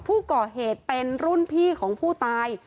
ผู้ก่อเหตุเป็นรุ่นพี่ของผู้ตาย